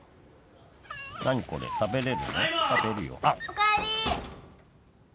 おかえり！